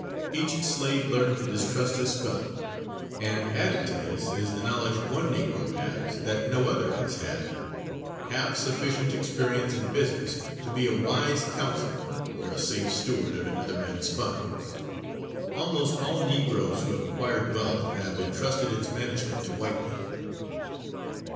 Each slave learned to distrust his fellow. And added to this is the knowledge one Negro has that no other has had half sufficient experience in business to be a wise counsellor, or a safe steward of another man's funds. Almost all Negroes who have acquired wealth have entrusted its management to white men.